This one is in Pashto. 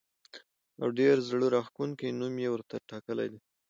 او ډېر زړه راښکونکی نوم یې ورته ټاکلی دی.